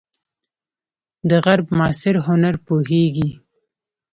د غرب معاصر هنر پوهیږئ؟